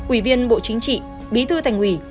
ủy viên bộ chính trị bí thư thành hủy